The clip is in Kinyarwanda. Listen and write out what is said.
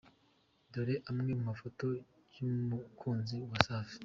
Dore Amwe mu mafoto y’umukunzi wa safi .